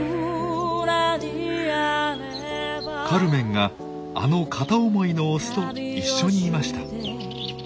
カルメンがあの片思いのオスと一緒にいました。